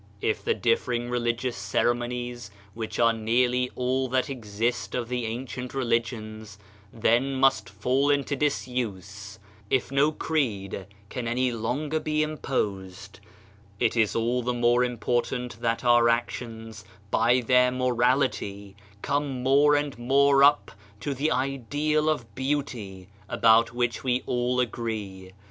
WORK 175 If the different religious ceremonies, which are nearly all that exist of the ancient religions, then must fall into disuse ; if no creed can any longer be imposed, it is all the more important that our actions, by their morality, come more and more up to the ideal of beauty about which we all agree.